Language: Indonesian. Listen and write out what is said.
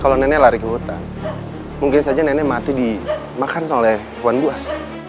kalau nenek lari ke hutan mungkin saja nenek mati dimakan oleh hewan buas